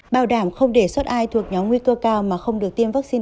bảo đảm không để suất ai thuộc nhóm nguy cơ cao mà không được tiêm vaccine